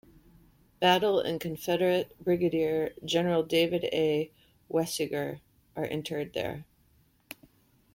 Battle and Confederate Brigadier General David A. Weisiger are interred there.